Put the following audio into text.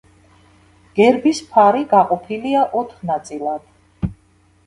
გერბის ფარი გაყოფილია ოთხ ნაწილად.